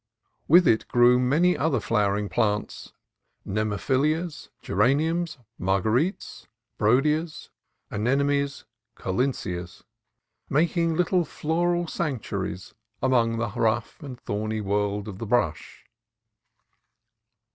With it grew many other flowering plants, — nemophilas, geraniums, marguerites, brodiaeas, anemones, collinsias, making little floral sanctuaries among the rough and thorny world of the brush.